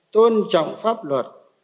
tôn trọng pháp luật